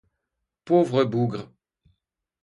Pauvre bougre!